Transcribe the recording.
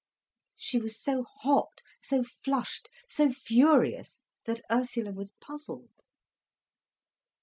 She was so hot, so flushed, so furious, that Ursula was puzzled.